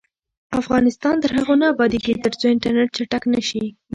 افغانستان تر هغو نه ابادیږي، ترڅو انټرنیټ چټک نشي.